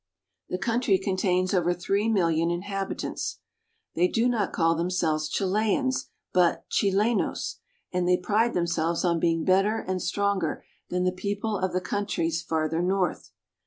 The country contains over three million inhabitants. Chileans. VALPARAISO. 113 They do not call themselves Chileans, but Chilenos (che la'nos), and they pride themselves on being better and stronger than the people of the countries farther north.